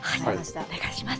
お願いします。